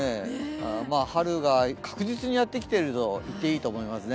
春が確実にやってきていると言っていいと思いますね。